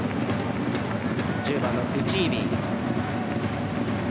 １０番のウチービー。